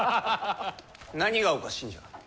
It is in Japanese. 何がおかしいんじゃ。